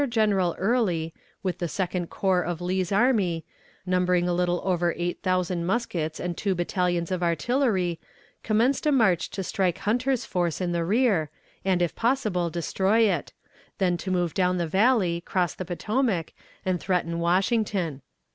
On June 13th Major General Early, with the Second Corps of Lee's army, numbering a little over eight thousand muskets and two battalions of artillery, commenced a march to strike Hunter's force in the rear, and, if possible, destroy it; then to move down the Valley, cross the Potomac, and threaten Washington.